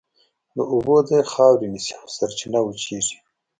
د اوبو ځای خاورې نیسي او سرچینه وچېږي.